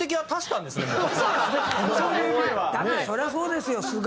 だってそりゃそうですよ。